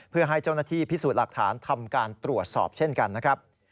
เพื่อให้เจ้าหน้าที่พิสูจน์หลักฐานทำการตรวจสอบเช่นกันนะครับ